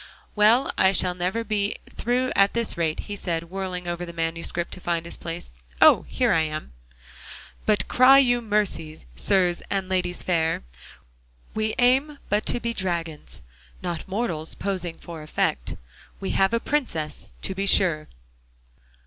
"Well, I shall never be through at this rate," he said, whirling over the manuscript to find his place. "Oh! here I am: "'But cry you mercy, Sirs and ladies fair, We aim but to be dragons, Not mortals posing for effect. We have a princess, to be sure'"?